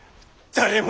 誰も！